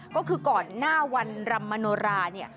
ก็คือก่อนหน้าวันรำมโนราเนี่ย